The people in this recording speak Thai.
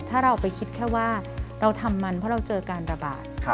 ถ้าเราไปคิดแค่ว่าเราทำมันเพราะเราเจอการระบาด